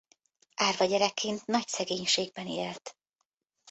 Árva gyerekként nagy szegénységben élt.